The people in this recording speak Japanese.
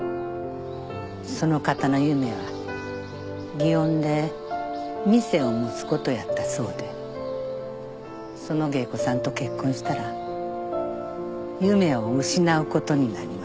その方の夢は祇園で店を持つことやったそうでその芸妓さんと結婚したら夢を失うことになります。